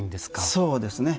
そうですね。